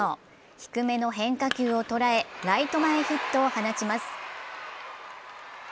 低めの変化球を捉えライト前ヒットを放ちます。